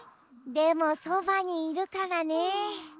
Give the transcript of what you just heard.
でもそばにいるからね。